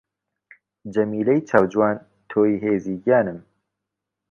جەمیلەی چاو جوان تۆی هێزی گیانم